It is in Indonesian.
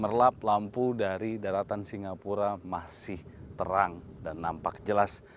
merlap lampu dari daratan singapura masih terang dan nampak jelas